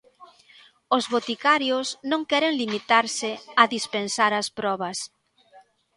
Os boticarios non queren limitarse a dispensar as probas.